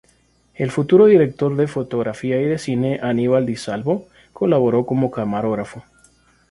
El futuro director de fotografía y de cine, Aníbal Di Salvo colaboró como camarógrafo.